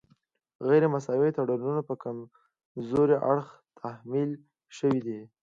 غیر مساوي تړونونه په کمزوري اړخ تحمیل شوي دي